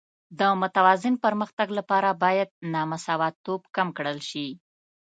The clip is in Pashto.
د متوازن پرمختګ لپاره باید نامساواتوب کم کړل شي.